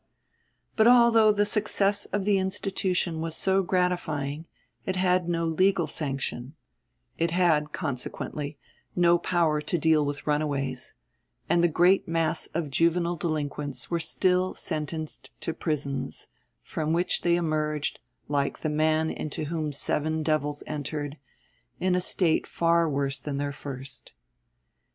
But although the success of the institution was so gratifying, it had no legal sanction; it had consequently no power to deal with runaways, and the great mass of juvenile delinquents were still sentenced to prisons, from which they emerged, like the man into whom seven devils entered, in a state far worse than their first.